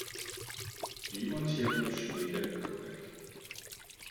Wie montiert man Schneeketten korrekt?